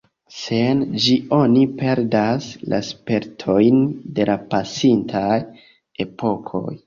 Sen ĝi oni perdas la spertojn de la pasintaj epokoj.